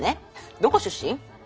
どこ出身？